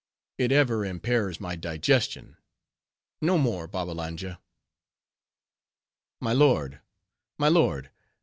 It ever impairs my digestion. No more, Babbalanja." "My lord! my lord!